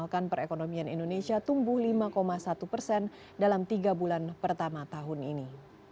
dan indonesia tumbuh lima satu persen dalam tiga bulan pertama tahun ini